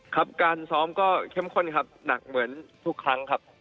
ครับการซ้อมก็เข้มข้นครับหนักเหมือนทุกครั้งครับ